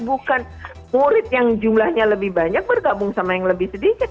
bukan murid yang jumlahnya lebih banyak bergabung sama yang lebih sedikit